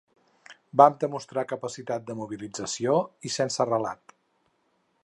Vam demostrar capacitat de mobilització i sense relat.